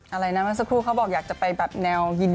อะไรนะเมื่อสักครู่เขาบอกอยากจะไปแบบแนวยินดี